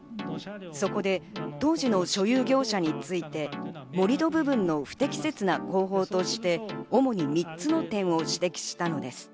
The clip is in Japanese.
そこで当時の所有業者について、盛り土部分の不適切な工法として主に３つの点を指摘したのです。